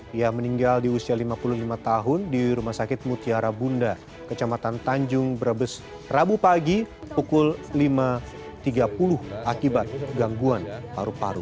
dia meninggal di usia lima puluh lima tahun di rumah sakit mutiara bunda kecamatan tanjung brebes rabu pagi pukul lima tiga puluh akibat gangguan paru paru